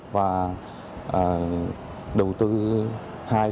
và đầu tư hai điểm cấp nước miễn phí cho bà con